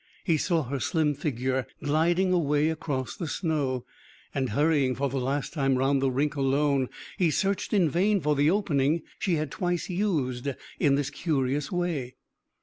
He saw her slim figure gliding away across the snow ... and hurrying for the last time round the rink alone he searched in vain for the opening she had twice used in this curious way.